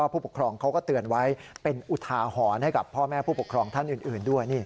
ผู้ปกครองเขาก็เตือนไว้เป็นอุทาหรณ์ให้กับพ่อแม่ผู้ปกครองท่านอื่นด้วย